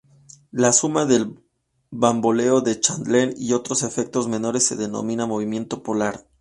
La suma del Bamboleo de Chandler y otros efectos menores se denomina movimiento polar.